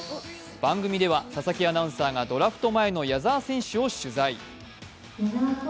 番組では佐々木アナウンサーがドラフト前の矢澤選手を取材。